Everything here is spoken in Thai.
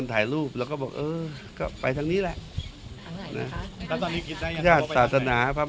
พี่บอกว่าเลือกทางนี้แหละไปทางนี้เลย